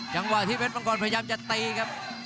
จังหวะที่เพชรมังกรพยายามจะตีครับ